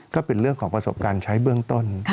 ก็เป็นเรื่องของประสบการณ์ใช้เบื้องต้น